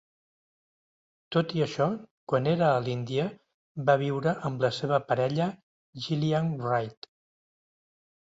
Tot i això, quan era a l'Índia va viure amb la seva parella Gillian Wright.